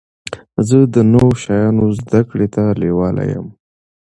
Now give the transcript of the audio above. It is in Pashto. زه د نوو شیانو زده کړي ته لېواله يم.